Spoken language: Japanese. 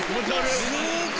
すごい。